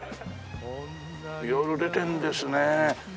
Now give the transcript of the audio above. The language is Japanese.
色々出てるんですね。